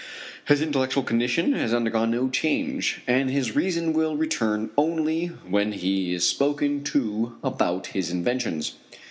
His intellectual condition has undergone no change, and his reason will return only when he is spoken to about his inventions.